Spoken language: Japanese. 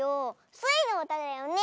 スイのうただよね。